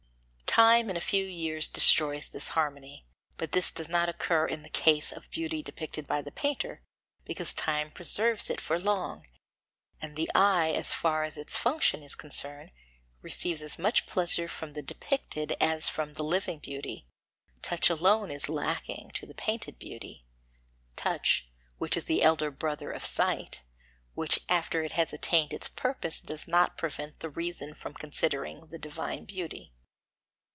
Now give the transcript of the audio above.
Time in a few years destroys this harmony, but this does not occur in the case of beauty depicted by the painter, because time preserves it for long; and the eye, as far as its function is concerned, receives as much pleasure from the depicted as from the living beauty; touch alone is lacking to the painted beauty, touch, which is the elder brother of sight; which after it has attained its purpose does not prevent the reason from considering the divine beauty.